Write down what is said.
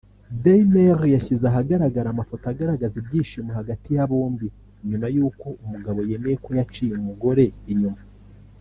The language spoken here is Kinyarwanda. Dailymail yashyize ahagaragara amafoto agaragaza ibyishimo hagati ya bombi nyuma y’uko umugabo yemeye ko yaciye umugore inyuma